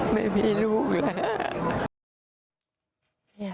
ไม่มีลูกแล้ว